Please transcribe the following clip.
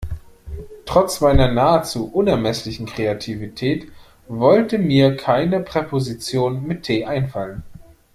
Trotz meiner nahezu unermesslichen Kreativität wollte mir keine Präposition mit T einfallen.